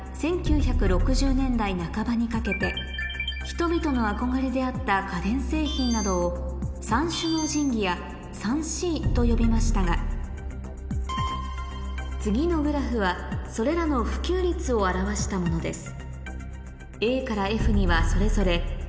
人々の憧れであった家電製品などをと呼びましたが次のグラフはそれらの普及率を表したものです